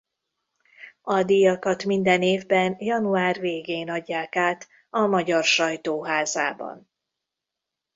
A díjakat minden évben január végén adják át a Magyar Sajtó Házában.